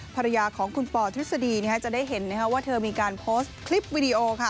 ภรรยาของคุณปอทฤษฎีจะได้เห็นว่าเธอมีการโพสต์คลิปวิดีโอ